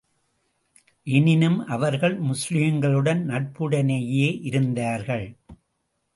எனினும், அவர்கள் முஸ்லிம்களுடன் நட்புடனேயே இருந்தார்கள்.